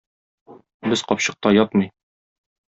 Без капчыкта ятмый.